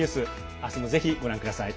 明日も、ぜひご覧ください。